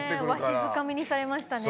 わしづかみにされましたね。